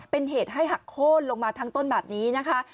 เป็นเหตุให้หักโค้นลงมาทั้งต้นแบบนี้นะคะ